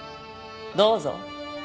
どうぞ。